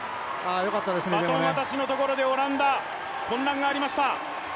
バトン渡しのところでオランダ混乱がありました。